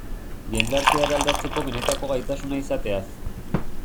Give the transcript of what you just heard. Jendartea eraldatzeko benetako gaitasuna izateaz.